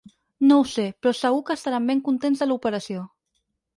No ho sé, però segur que estaran ben contents de l’operació.